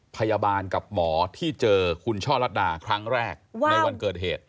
พยาบาลกับหมอที่เจอคุณช่อลัดดาครั้งแรกในวันเกิดเหตุ